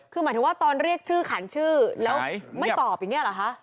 คือหมายถึงว่าตอนเรียกชื่อขันชื่อแล้วไม่ตอบอย่างนี้เหรอคะ